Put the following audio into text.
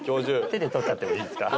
手で捕っちゃってもいいですか？